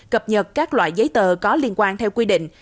cập nhật các loại giấy tờ có liên quan theo quy định